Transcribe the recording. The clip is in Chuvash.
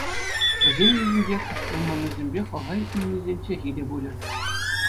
Вӗсен йышӗнче куҫ курманнисемпе хӑлха илтменнисен чӗлхи те пулӗ.